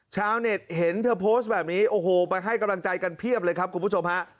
ชาวเน็ตเห็นเธอโพสต์แบบนี้โอ้โหไปให้กำลังใจกันเพียบเลยครับคุณผู้ชมฮะ